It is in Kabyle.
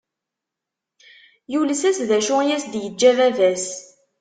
Yules-as d acu i as-d-yeǧǧa baba-s.